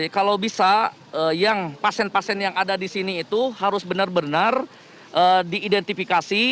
kalau bisa yang pasien pasien yang ada di sini itu harus benar benar diidentifikasi